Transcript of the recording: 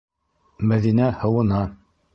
Мәҙинә һыуына